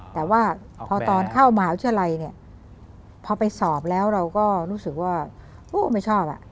แต่ว่าพอตอนเข้ามหาวิทยาลัยเนี่ยพอไปสอบแล้วเราก็รู้สึกว่าโอ้ไม่ชอบ